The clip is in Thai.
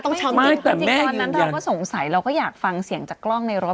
จริงตอนนั้นเราก็สงสัยเราก็อยากฟังเสียงจากกล้องในรถ